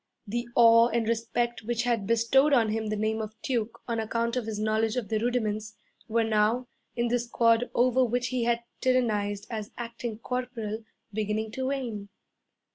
The awe and respect which had bestowed on him the name of Duke on account of his knowledge of the rudiments, were now, in the squad over which he had tyrannized as acting corporal, beginning to wane.